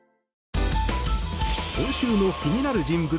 今週の気になる人物